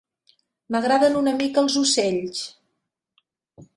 M'agraden una mica els ocells.